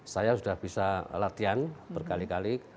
saya sudah bisa latihan berkali kali